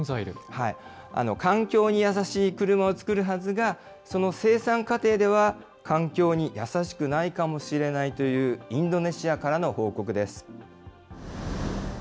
環境に優しい車を作るはずが、その生産過程では、環境にやさしくないかもしれないというインドネシアからの報告です。